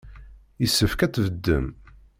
Yessefk ad tbeddem.